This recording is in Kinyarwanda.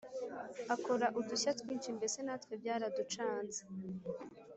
akora udushya twinshi mbese natwe byaraducanze